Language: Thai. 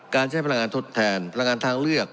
ใช้พลังงานทดแทนพลังงานทางเลือก